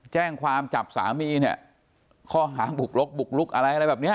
แจ้งความจับสามีเนี่ยข้อหาบุกลุกบุกลุกอะไรอะไรแบบเนี้ย